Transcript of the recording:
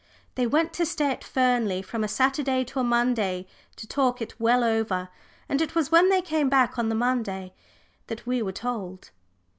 They went to stay at Fernley from a Saturday to a Monday to talk it well over, and it was when they came back on the Monday that we were told.